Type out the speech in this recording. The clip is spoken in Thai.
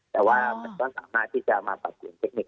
แต่ว่ามันก็สามารถที่จะมาปรับเปลี่ยนเทคนิค